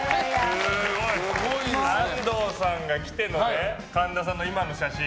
安藤さんが来ての神田さんの今の写真。